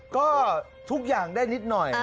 ก็ทุกอย่างได้นิดหน่อย